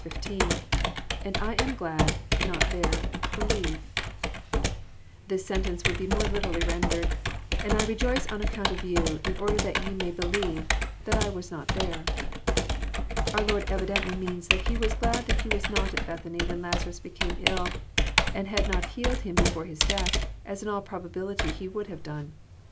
— lAnd lam glad...not there.„believe,'] This sentence would be more literally rendered, And I rejoice on account of you, in order that ye may believe, that I was not there." Oar Lord evidently means that He was glad that He was not at Bethany when Lazarus became ill, and had not healed him before his death, as in all probability He would have done.